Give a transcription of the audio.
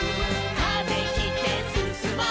「風切ってすすもう」